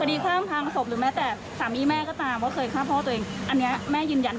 คดีข้ามทางศพหรือแม่แต่สามีแม่ก็ตาม